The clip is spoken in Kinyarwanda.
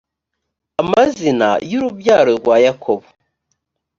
amazina y urubyaro rwa yakobo